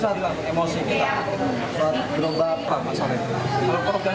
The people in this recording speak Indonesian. saya ingin menyatakan bahwa